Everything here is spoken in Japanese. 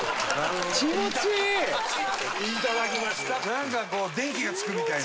なんかこう電気がつくみたいなね。